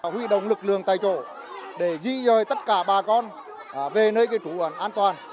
huy động lực lượng tài trổ để di rời tất cả bà con về nơi trú an toàn